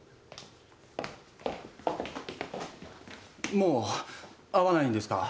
もう会わないんですか？